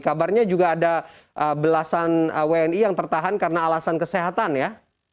kabarnya juga ada belasan wni yang tertahan karena alasan kesehatan ya